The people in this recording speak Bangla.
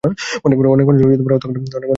অনেক মানুষ হত্যাকাণ্ডের শিকার হন।